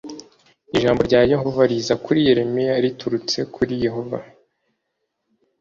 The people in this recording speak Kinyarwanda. ijambo rya yehova riza kuri yeremiya riturutse kuri yehova